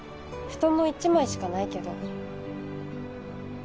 布団も一枚しかないけど。